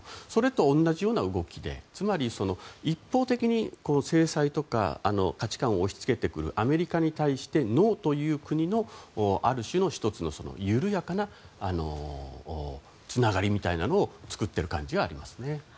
それと同じような動きで一方的に制裁とか価値観を押し付けてくるアメリカに対してノーという国のある種の１つの緩やかなつながりみたいなのを作っている感じはありますね。